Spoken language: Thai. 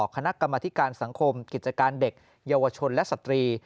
คณะกรรมธิการสังคมกิจการเด็กเยาวชนและสตรี